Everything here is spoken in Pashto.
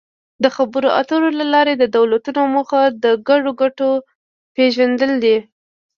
د خبرو اترو له لارې د دولتونو موخه د ګډو ګټو پېژندل دي